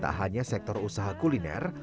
tak hanya sektor usaha kuliner